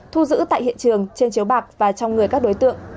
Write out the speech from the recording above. thu giữ tại hiện trường trên chiếu bạc và trong người các đối tượng